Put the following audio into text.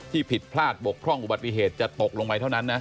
ผิดพลาดบกพร่องอุบัติเหตุจะตกลงไปเท่านั้นนะ